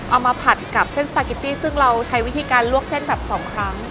มาผัดกับเส้นสปาเกตตี้ซึ่งเราใช้วิธีการลวกเส้นแบบสองครั้ง